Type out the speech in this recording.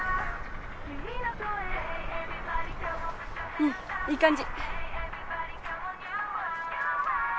うんいい感じ。